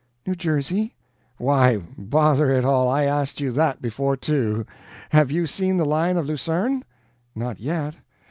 "New Jersey." "Why, bother it all, I asked you THAT before, too. Have you seen the Lion of Lucerne?" "Not yet."